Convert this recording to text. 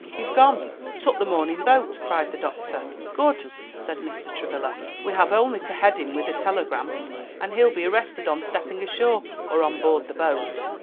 "He's gone; took the morning boat," cried the doctor. "Good!" said Mr. Travilla, "we have only to head him with a telegram, and he'll be arrested on stepping ashore; or on board the boat."